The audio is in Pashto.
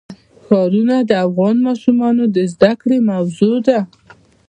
ښارونه د افغان ماشومانو د زده کړې موضوع ده.